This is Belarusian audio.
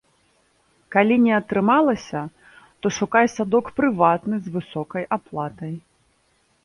Калі не атрымалася, то шукай садок прыватны з высокай аплатай.